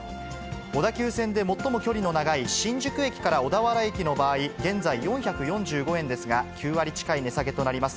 小田急線で最も距離の長い新宿駅から小田原駅の場合、現在４４５円ですが、９割近い値下げとなります。